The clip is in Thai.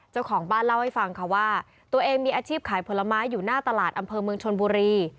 เจ้าของบ้านเล่าให้ฟังค่ะว่าตัวเองมีอาชีพขายผลไม้อยู่หน้าตลาดอำเภอเมืองชนบุรี